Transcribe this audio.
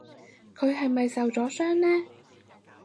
佢係咪受咗傷呢？